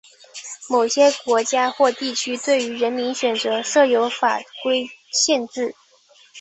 某些国家或地区对于人名选择设有法规限制。